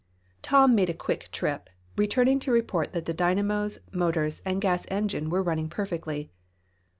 Tom made a quick trip, returning to report that the dynamos, motors and gas engine were running perfectly.